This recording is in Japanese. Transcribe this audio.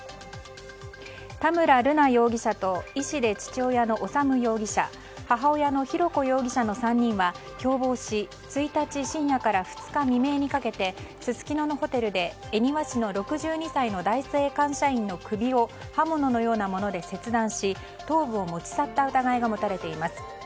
田村瑠奈容疑者と医師で父親の修容疑者母親の浩子容疑者の３人は共謀し１日深夜から２日未明にかけてすすきののホテルで恵庭市の６２歳の男性会社員の首を刃物のようなもので切断し頭部を持ち去った疑いが持たれています。